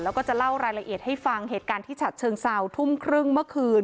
แล้วก็จะเล่ารายละเอียดให้ฟังเหตุการณ์ที่ฉัดเชิงเซาทุ่มครึ่งเมื่อคืน